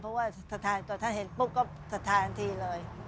เพราะว่าตอนท่านเห็นปุ๊บก็สทาทีเลย